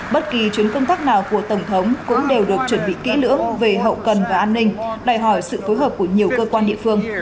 bất kỳ chuyến công tác nào của tổng thống cũng đều được chuẩn bị kỹ lưỡng về hậu cần và an ninh đòi hỏi sự phối hợp của nhiều cơ quan địa phương